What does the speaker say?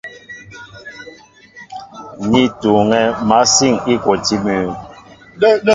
Ní tuuŋɛ̄ másîn îkwotí mʉ́ʉ́.